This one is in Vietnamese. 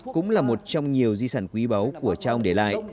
cũng là một trong nhiều di sản quý báu của cha ông để lại